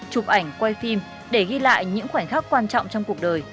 chụp ảnh quay phim để ghi lại những khoảnh khắc quan trọng trong cuộc đời